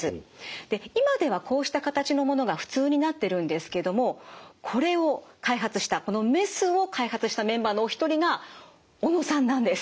で今ではこうした形のものが普通になってるんですけどもこれを開発したこのメスを開発したメンバーのお一人が小野さんなんです。